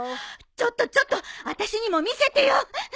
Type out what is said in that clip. ちょっとちょっと私にも見せてよ。